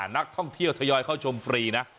นักท่องเที่ยวทยอยเข้าชมฟรีนะ